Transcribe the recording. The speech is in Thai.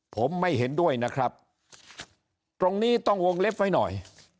ผมไม่เห็นด้วยนะครับตรงนี้ต้องวงเล็บไว้หน่อย